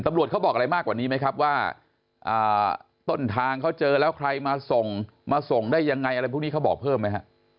เขาบอกอะไรมากกว่านี้ไหมครับว่าต้นทางเขาเจอแล้วใครมาส่งมาส่งได้ยังไงอะไรพวกนี้เขาบอกเพิ่มไหมฮะ